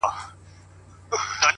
نن ستا کور و ته کوه طور دی د ژوند,